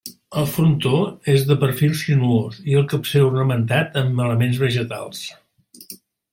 El frontó és de perfil sinuós i el capcer ornamentat amb elements vegetals.